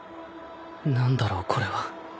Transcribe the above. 何だろうこれは？